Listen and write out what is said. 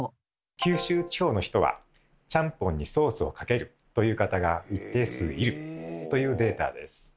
九州地方の人はちゃんぽんにソースをかけるという方が一定数いるというデータです。